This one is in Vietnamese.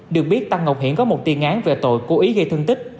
được biết tăng ngọc hiển có một tiên án về tội cố ý gây thân tích